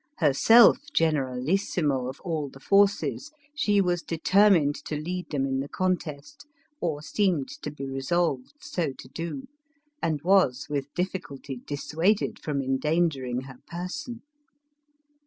Herself generalissimo of all the forces, she was determined to lead them in the contest, or seemed to be resolved so to do, and was with difficulty dissuaded from endangering her person.